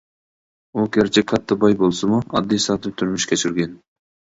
ئۇ گەرچە كاتتا باي بولسىمۇ، ئاددىي-ساددا تۇرمۇش كەچۈرگەن.